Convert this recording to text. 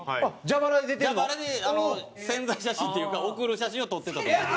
蛇腹で宣材写真というか送る写真を撮ってたと思う。